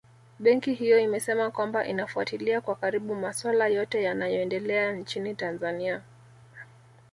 Benki hiyo imesema kwamba inafuatilia kwa karibu maswala yote yanayoendelea nchini Tanzania